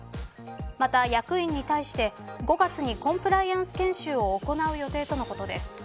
また、役員に対して５月にコンプライアンス研修を行う予定とのことです。